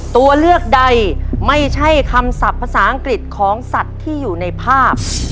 ตัวเลือกใดไม่ใช่คำศัพท์ภาษาอังกฤษของสัตว์ที่อยู่ในภาพ